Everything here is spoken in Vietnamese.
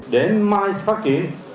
để mais phát triển